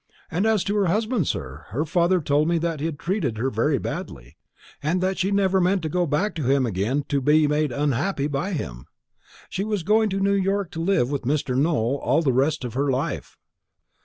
And as to her husband, sir, her father told me that he'd treated her very badly, and that she never meant to go back to him again to be made unhappy by him. She was going to New York to live with Mr. Nowell all the rest of her life."